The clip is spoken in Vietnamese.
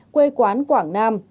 quê quán quảng nam